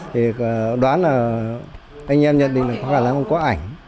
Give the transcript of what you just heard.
thì đoán là anh em nhận định là không có ảnh